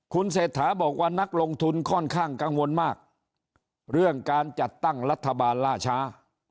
คุณเศรษฐาบอกว่านักลงทุนค่อนข้างกังวลมากเรื่องการจัดตั้งรัฐบาลล่าช้า